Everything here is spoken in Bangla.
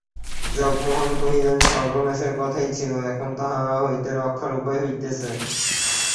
জগমোহন কহিলেন, সর্বনাশের কথাই ছিল, এখন তাহা হইতে রক্ষার উপায় হইতেছে।